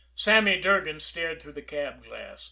Sammy Durgan stared through the cab glass.